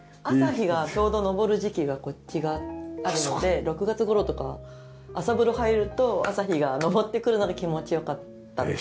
朝日がちょうど昇る時期がこっち側あるので６月頃とかは朝風呂入ると朝日が昇ってくるので気持ち良かった。